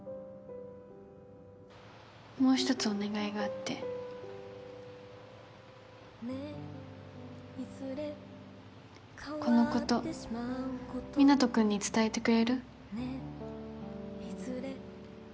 もう１つお願いがあってこのこと湊人君に伝えてくれる？